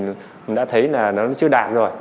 mình đã thấy là nó chưa đạt rồi